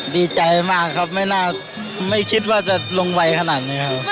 ดีใจมากครับไม่น่าไม่คิดว่าจะลงไวขนาดนี้ครับ